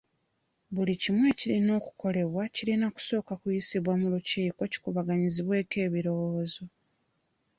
Buli kimu ekirina okukolebwa kirina kusooka kuyisibwa mu lukiiko kikubaganyizibweko ebirowoozo.